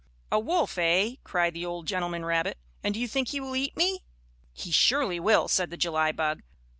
"A wolf, eh?" cried the old gentleman rabbit. "And do you think he will eat me?" "He surely will," said the July bug.